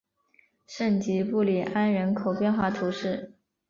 圣吉布里安人口变化图示